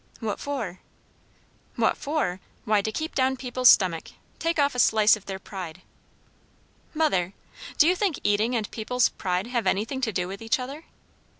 "What for?" "What for? Why, to keep down people's stomach; take off a slice of their pride." "Mother! do you think eating and people's pride have anything to do with each other?"